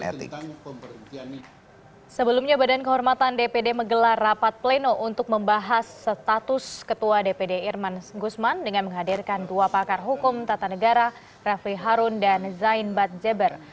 sebelumnya badan kehormatan dpd menggelar rapat pleno untuk membahas status ketua dpd irman gusman dengan menghadirkan dua pakar hukum tata negara refli harun dan zain badjeber